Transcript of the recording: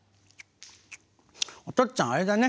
・おとっつぁんあれだね。